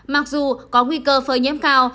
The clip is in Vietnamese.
mặc dù có nguy cơ phơi nhiễm cao